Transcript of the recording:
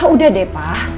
udah deh pa